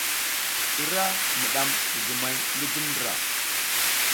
Ira miɗam gigimay ngi jum ndra.